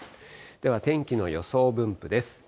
では天気の予想分布です。